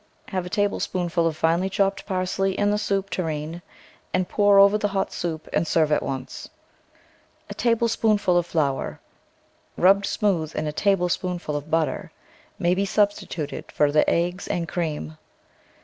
Have a tablespoonful of finely chopped parsley in the soup tureen and pour over the hot soup and serve at once. A tablespoonful of flour, rubbed smooth in a tablespoonful of butter, may be substituted for the eggs and cream.